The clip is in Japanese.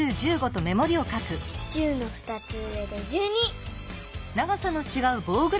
１０の２つ上で１２！